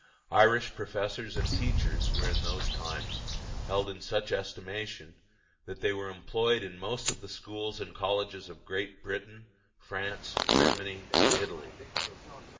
Irish professors and teachers were in those times held in such estimation that they were employed in most of the schools and colleges of Great Britain, France, Germany, and Italy.